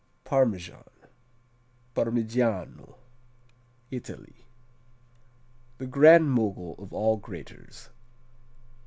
Parmesan, Parmigiano Italy The grand mogul of all graters.